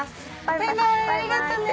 ありがとね。